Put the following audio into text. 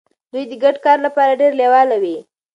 دوی د ګډ کار لپاره ډیر لیواله وي.